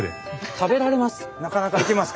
食べられます。